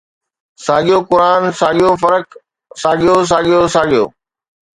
ساڳيو قرآن، ساڳيو فرق، ساڳيو، ساڳيو، ساڳيو